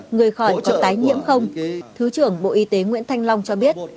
người khỏi có tái nhiễm không thứ trưởng bộ y tế nguyễn thành long cho biết